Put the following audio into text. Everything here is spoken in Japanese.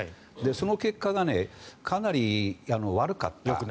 その結果がかなり悪かった。